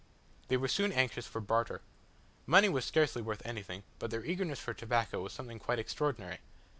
They were soon anxious for barter. Money was scarcely worth anything, but their eagerness for tobacco was something quite extraordinary.